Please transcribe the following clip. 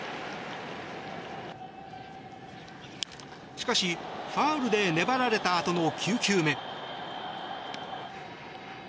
しかしファウルで粘られたあとの９球目。